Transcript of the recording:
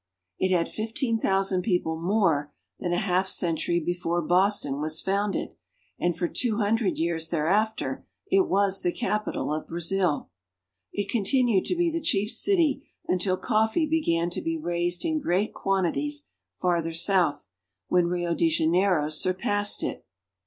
It had fifteen thousand people more than half a century before Boston was founded, and for two hundred years thereafter it was the capital of Brazil. It continued to be the chief city until coffee be gan to be raised in great quantities farther south, when Rio de Janeiro surpassed it.